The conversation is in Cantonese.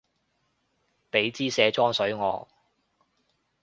畀枝卸妝水我